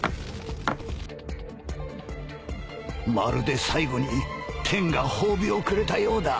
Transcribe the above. まるで最後に天が褒美をくれたようだ。